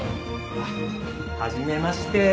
あっはじめまして。